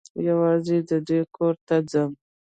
یوازي د دوی کور ته ځم .